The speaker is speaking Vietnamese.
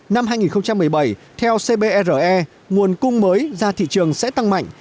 năm hai nghìn một mươi bảy theo cbre nguồn cung mới ra thị trường sẽ tăng mạnh